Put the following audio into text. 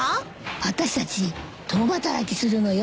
あたしたち共働きするのよ。